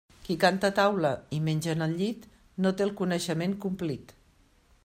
Qui canta a taula i menja en el llit no té el coneixement complit.